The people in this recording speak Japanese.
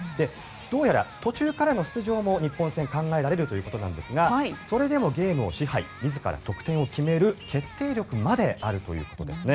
どうやら途中からの出場も日本戦考えられるということですがそれでもゲームを支配自ら得点を決める決定力まであるということです。